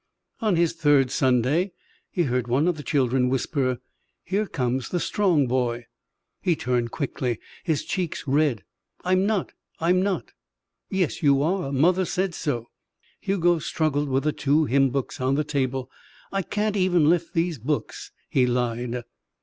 On his third Sunday he heard one of the children whisper: "Here comes the strong boy." He turned quickly, his cheeks red. "I'm not. I'm not." "Yes, you are. Mother said so." Hugo struggled with the two hymn books on the table. "I can't even lift these books," he lied.